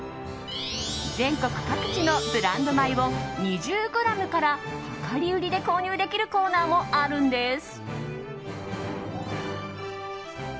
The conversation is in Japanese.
全国各地のブランド米を２０ｇから量り売りで購入できるコーナーもあるんです。